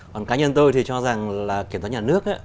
còn cá nhân tôi thì cho rằng là kiểm toán nhà nước